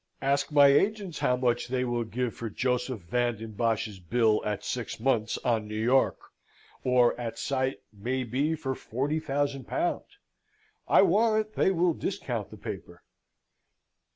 Ask my agents how much they will give for Joseph Van den Bosch's bill at six months on New York or at sight may be for forty thousand pound? I warrant they will discount the paper."